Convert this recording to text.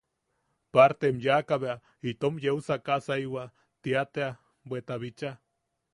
Partem yaak bea itom yeu kaʼasaiwa ¡tia tea! ...bweta bicha...